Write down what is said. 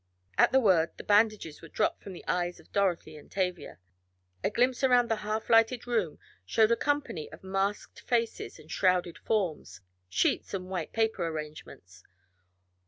At the word the bandages were dropped from the eyes of Dorothy and Tavia. A glimpse around the half lighted room showed a company of masked faces and shrouded forms sheets and white paper arrangements.